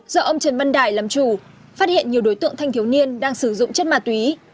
do ông trần văn đại làm chủ phát hiện nhiều đối tượng thanh thiếu niên đang sử dụng chất ma túy